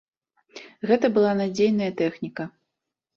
Гэта была надзейная тэхніка.